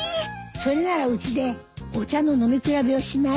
それならうちでお茶の飲み比べをしない？